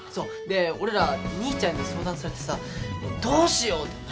で俺ら兄ちゃんに相談されてさどうしようって。なあ？